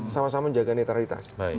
sama sama menjaga netralitas